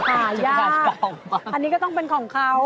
หายากอันนี้ก็ต้องเป็นของเขา